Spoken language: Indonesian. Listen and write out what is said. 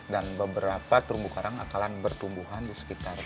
dan beberapa terumbu karang akan bertumbuhan di sekitar